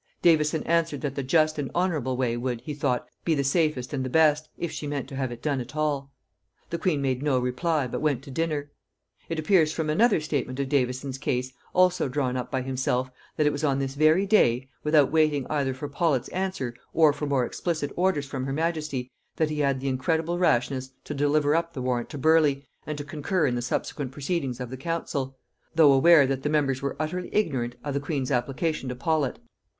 Davison answered, that the just and honorable way would, he thought, be the safest and the best, if she meant to have it done at all. The queen made no reply, but went to dinner. It appears from another statement of Davison's case, also drawn up by himself, that it was on this very day, without waiting either for Paulet's answer or for more explicit orders from her majesty, that he had the incredible rashness to deliver up the warrant to Burleigh, and to concur in the subsequent proceedings of the council; though aware that the members were utterly ignorant of the queen's application to Paulet.